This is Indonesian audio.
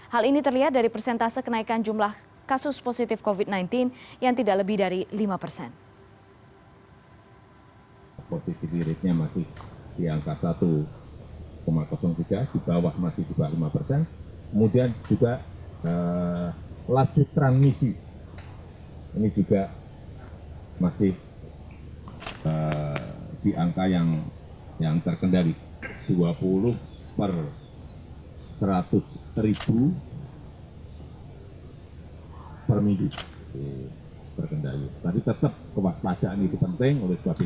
hal ini terlihat dari persentase kenaikan jumlah kasus positif covid sembilan belas yang tidak lebih dari lima persen